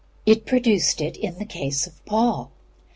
It produced it in the case of Paul.